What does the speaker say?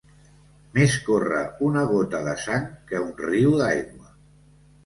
Més corre una gota de sang que un riu d'aigua.